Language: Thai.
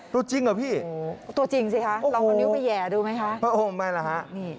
ตัวจริงหรอพี่ตัวจริงสิคะลองกับนิ้วไปแห่ดูไหมคะ